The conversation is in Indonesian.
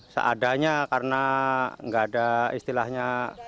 seadanya karena nggak ada istilahnya